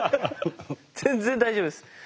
全然大丈夫ですはい。